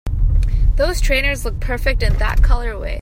Those trainers look perfect in that colorway!